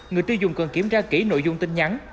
người tiêu dùng cần kiểm tra kỹ nội dung tin nhắn